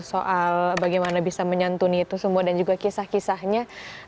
soal bagaimana bisa menyantuni itu semua dan juga kisah kisahnya